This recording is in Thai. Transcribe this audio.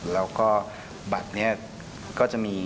แล้วก็บัตรนี้ก็จะมี